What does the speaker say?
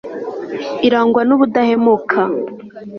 irangwa n'ubudahemuka